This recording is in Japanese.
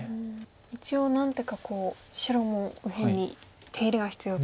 一応何手か白も右辺に手入れが必要と。